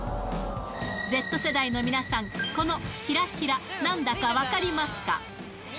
Ｚ世代の皆さん、このひらひら、なんだか分かりますか？